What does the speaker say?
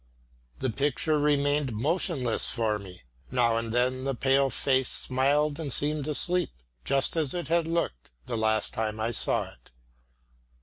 The picture remained motionless before me; now and then the pale face smiled and seemed asleep, just as it had looked the last time I saw it.